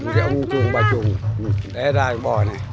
cái ông chuồng bà chuồng để ra bò này